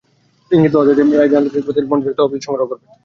ইঙ্গিত পাওয়া যাচ্ছে, এআইআইবি আন্তর্জাতিক বাজারে বন্ড ছেড়ে তহবিল সংগ্রহ করবে।